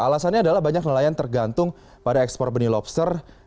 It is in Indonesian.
alasannya adalah banyak nelayan tergantung pada ekspor benih lobster